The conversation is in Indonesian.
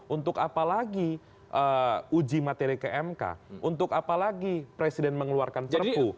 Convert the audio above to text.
untuk apalagi uji materi ke mk untuk apalagi presiden mengeluarkan perpu